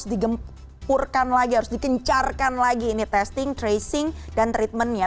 harus digempurkan lagi harus dikencarkan lagi ini testing tracing dan treatmentnya